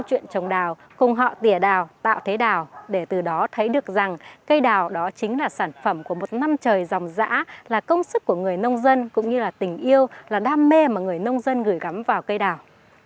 câu chuyện trồng đào cùng họ tỉa đào tạo thế đào để từ đó thấy được rằng cây đào đó chính là sản phẩm của một năm trời dòng dã là công sức của người nông dân cũng như là tình yêu là đam mê mà người nông dân gửi gắm vào cây đào